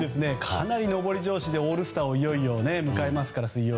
かなり上り調子で水曜日にオールスターを迎えますから。